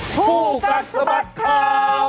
ผู้กัดสบัดข่าว